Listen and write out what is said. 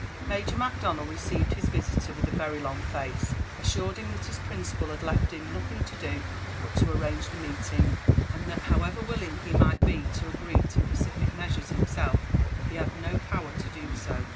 Major Macdonnel received his visitor with a very long face, assured him that his principal had left him nothing to do but to arrange the meeting, and that however willing he might be to agree to pacific measures himself, he had no power to do so.